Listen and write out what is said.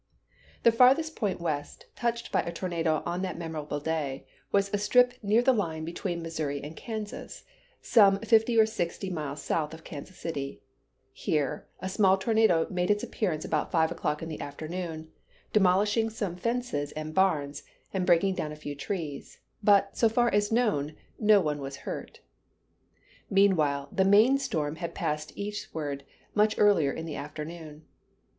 The farthest point west touched by a tornado on that memorable day was a strip near the line between Missouri and Kansas, some fifty or sixty miles south of Kansas City. Here, a small tornado made its appearance about five o'clock in the afternoon, demolishing some fences and [Illustration: LOOKING WEST FROM TENTH AND MAIN, LOUISVILLE.] barns, and breaking down a few trees: but, so far as known, no one was hurt. Meanwhile, the main storm had passed eastward much earlier in the afternoon.